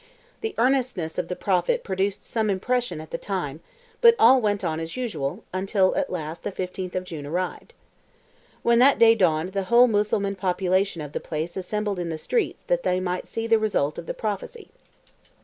The earnestness of the prophet produced some impression at the time, but all went on as usual, until at last the fifteenth of June arrived. When that day dawned the whole Mussulman population of the place assembled in the streets that they might see the result of the prophecy.